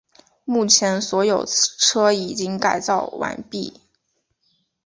目前所有车已全部改造完毕。